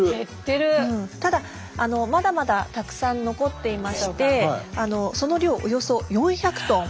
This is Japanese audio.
ただまだまだたくさん残っていましてその量およそ４００トン。